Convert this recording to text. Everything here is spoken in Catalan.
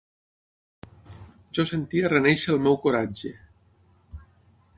Jo sentia renéixer el meu coratge.